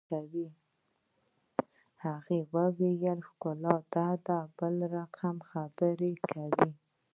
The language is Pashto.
هغه ویل ښکلی دی بل رقم خبرې کوي